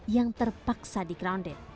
yang terpaksa di grounded